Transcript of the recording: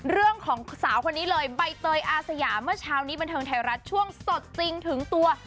เรื่องของสาวคนนี้เลยใบเตยอาสยาเมื่อเช้านี้บันเทิงไทยรัฐช่วงสดจริงถึงตัว